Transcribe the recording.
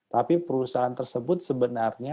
tapi perusahaan tersebut sebenarnya